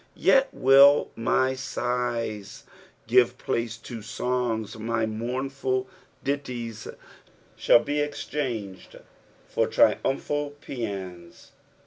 Yet will my sighs give place to songs, my mournful ditties shall be exchanged for triumphal pteanp.